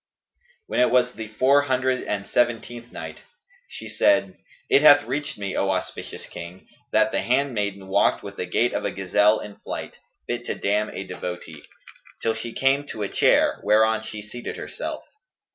When it was the Four Hundred and Seventeenth Night, She said, It hath reached me, O auspicious King, that the hand maiden walked with the gait of a gazelle in flight, fit to damn a devotee, till she came to a chair whereon she seated herself.